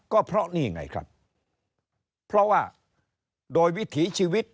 ก็เพราะนี่ไงครับเพราะว่าโดยวิถีชีวิต